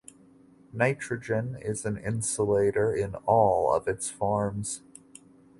Nitrogen is an insulator in all of its forms.